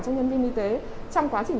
cho nhân viên y tế trong quá trình